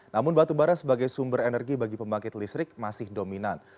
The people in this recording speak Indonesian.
namun batu bara sebagai sumber energi bagi pembangkit listrik masih dominan